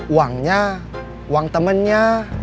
uangnya uang temennya